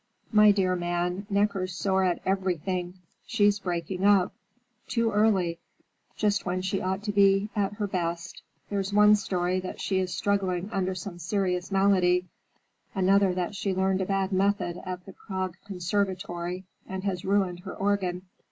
"My dear man, Necker's sore at everything. She's breaking up; too early; just when she ought to be at her best. There's one story that she is struggling under some serious malady, another that she learned a bad method at the Prague Conservatory and has ruined her organ.